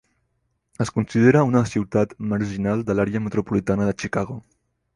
Es considera una ciutat marginal de l'àrea metropolitana de Chicago.